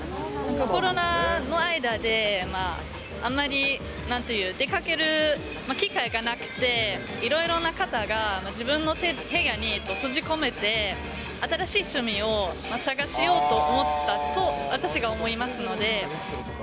コロナの間で、あまりなんという、出かける機会がなくて、いろいろな方が自分の部屋に閉じこもって、新しい趣味を始めようと思ったと、私が思いますので。